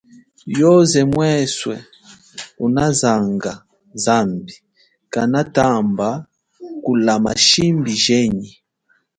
Yoze mweswe unazanga zambi kanatamba kulama shimbi jenyi.